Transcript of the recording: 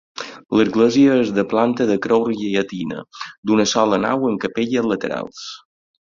L'església és de planta de creu llatina, d'una sola nau amb capelles laterals.